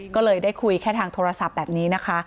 ก็เลยได้คุยแค่ทางโทรศัพท์แบบนี้นะคะ